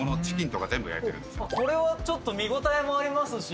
これはちょっと見応えもありますし